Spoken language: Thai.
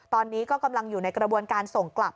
ตอนนี้ก็กำลังอยู่ในกระบวนการส่งกลับ